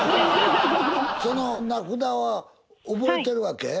その名札は覚えてるわけ？